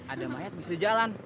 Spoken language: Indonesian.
ada mayat bisa jalan